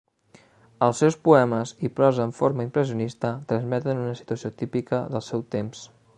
Els seus poemes i prosa en forma impressionista transmeten una situació típica del seu temps.